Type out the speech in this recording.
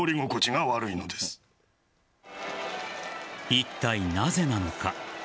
いったいなぜなのか。